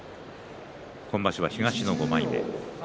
今場所は東の５枚目。